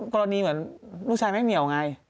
กรณีเหมือนลูกชายไม่เหี่ยวไง